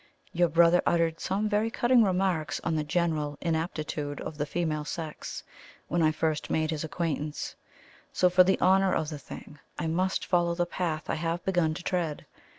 Your brother uttered some very cutting remarks on the general inaptitude of the female sex when I first made his acquaintance; so, for the honour of the thing, I must follow the path I have begun to tread.